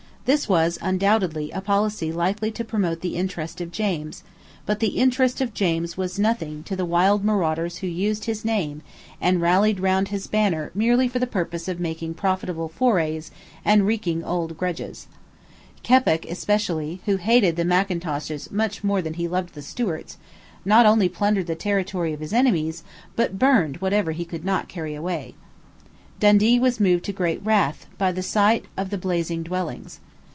This was undoubtedly a policy likely to promote the interest of James; but the interest of James was nothing to the wild marauders who used his name and rallied round his banner merely for the purpose of making profitable forays and wreaking old grudges. Keppoch especially, who hated the Mackintoshes much more than he loved the Stuarts, not only plundered the territory of his enemies, but burned whatever he could not carry away. Dundee was moved to great wrath by the sight of the blazing dwellings.